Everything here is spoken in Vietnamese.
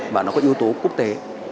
và nó có yếu tố quốc tế